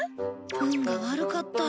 運が悪かった。